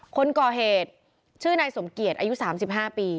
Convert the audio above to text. คนก่อเหตุชื่อนายสมเกียจอายุ๓๕ปี